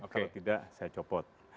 kalau tidak saya copot